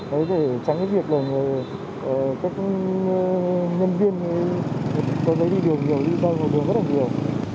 đấy để tránh cái việc là các nhân viên cấp giấy đi đường nhiều đi đoàn hồ đường rất là nhiều